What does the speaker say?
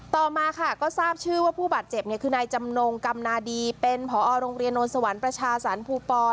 ต่อมาค่ะก็ทราบชื่อว่าผู้บาดเจ็บคือนายจำนงกำนาดีเป็นผอโรงเรียนโนนสวรรค์ประชาสรรภูปอ